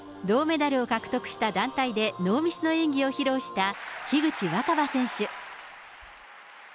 銅メダルを獲得した団体でノーミスの演技を披露した樋口新葉選手。